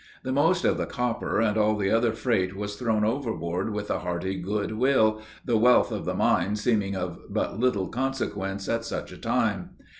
The most of the copper and all the other freight was thrown overboard with a hearty good will the wealth of the mine seeming of but little consequence at such a time.